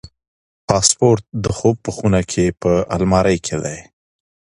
پاسپورت د خوب په خونه کې په المارۍ کې دی.